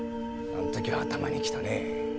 あの時は頭にきたねえ。